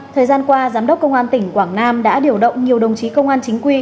thời gian qua giám đốc công an tỉnh quảng nam đã điều động nhiều đồng chí công an chính quy